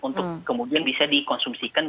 untuk kemudian bisa dikonsumsikan